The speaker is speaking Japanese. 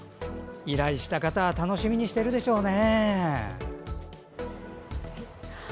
依頼した方は楽しみにしているでしょうね。